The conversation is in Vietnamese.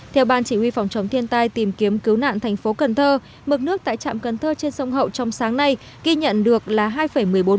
theo ban chỉ huy phòng chống thiên tai tìm kiếm cứu nạn thành phố cần thơ mực nước tại trạm cần thơ trên sông hậu trong sáng nay ghi nhận được là hai năm mét